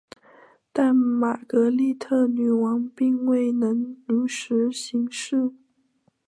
但玛格丽特女王并未能如实行事。